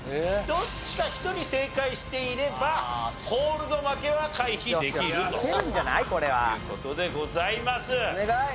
どっちか１人正解していればコールド負けは回避できるという事でございます。